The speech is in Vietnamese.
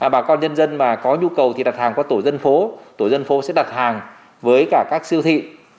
bà con nhân dân mà có nhu cầu thì đặt hàng qua tổ dân phố tổ dân phố sẽ đặt hàng với cả các siêu thị